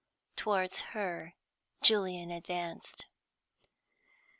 Towards her Julian advanced.